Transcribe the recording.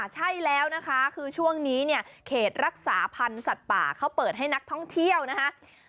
ใช่แล้วนะคะคือช่วงนี้เนี่ยเขตรักษาพันธ์สัตว์ป่าเขาเปิดให้นักท่องเที่ยวนะคะ